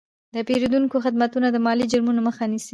د پیرودونکو خدمتونه د مالي جرمونو مخه نیسي.